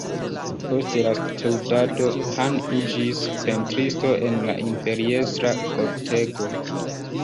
Post la studado, Han iĝis pentristo en la imperiestra kortego.